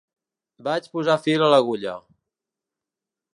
Vaig posant fil a l’agulla.